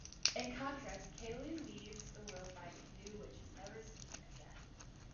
In contrast, Kaili leaves the world by a canoe which is never seen again.